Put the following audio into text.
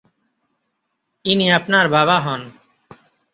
ইনি আপনার বাবা হন।